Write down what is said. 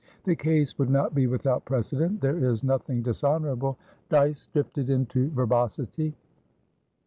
The case would not be without precedent. There is nothing dishonourable" Dyce drifted into verbosity.